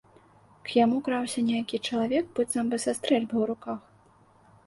К яму краўся нейкі чалавек быццам бы са стрэльбай у руках.